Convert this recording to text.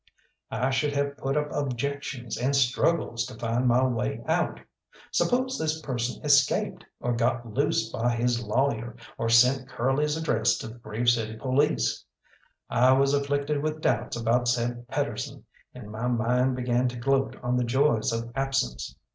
I should have put up objections and struggles to find my way out. Suppose this person escaped, or got loosed by his lawyer, or sent Curly's address to the Grave City police? I was afflicted with doubts about said Pedersen, and my mind began to gloat on the joys of absence.